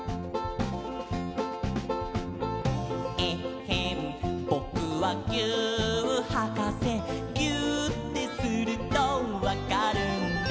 「えっへんぼくはぎゅーっはかせ」「ぎゅーってするとわかるんだ」